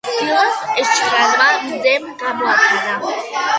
დილას ეშხიანმა მზემ გამოანათა